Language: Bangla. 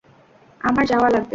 আমার যাওয়া লাগবে।